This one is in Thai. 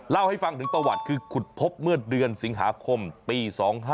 เล่าให้ฟังถึงประวัติคือขุดพบเมื่อเดือนสิงหาคมปี๒๕๖